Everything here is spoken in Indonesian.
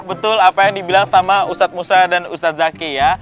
betul apa yang dibilang sama ustadz musa dan ustadz zaki ya